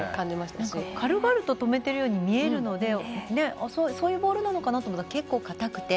軽々と止めているように見えるのでそういうボールなのかなと思ったら結構硬くて。